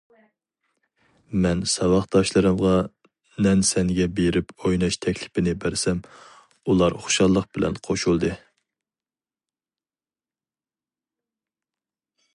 مەن ساۋاقداشلىرىمغا نەنسەنگە بېرىپ ئويناش تەكلىپىنى بەرسەم، ئۇلار خۇشاللىق بىلەن قوشۇلدى.